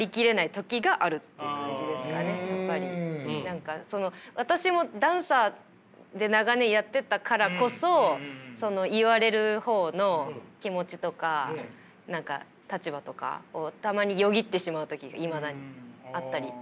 何かその私もダンサーで長年やってたからこそ言われる方の気持ちとか立場とかたまによぎってしまう時がいまだにあったり。